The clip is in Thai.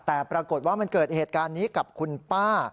แต่ปรากฏว่ามันเกิดเหตุการณ์นี้กับคุณป้า